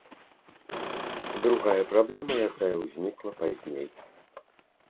Другая праблема, якая ўзнікла пазней.